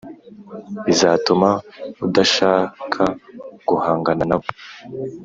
Bizatuma Udashaka Guhangana Na Bo